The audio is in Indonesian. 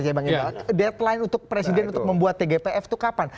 deadline untuk presiden untuk membuat tgpf itu kapan